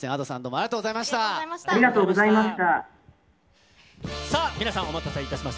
ありがとうございます。